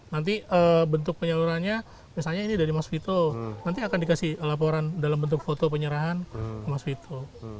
nanti bentuk penyalurannya misalnya ini dari mas vito nanti akan dikasih laporan dalam bentuk foto penyerahan ke mas vito